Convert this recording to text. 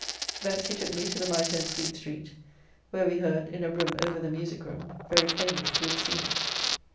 Thence he took me to the Mitre in Fleet Street, where we heard (in a room over the music room) very plainly through the ceiling.